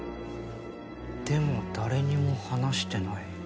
でも誰にも話してない。